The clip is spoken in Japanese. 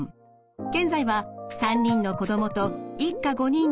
現在は３人の子供と一家５人で暮らしています。